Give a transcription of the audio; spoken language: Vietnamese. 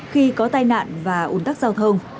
khi có tai nạn và ủn tắc giao thông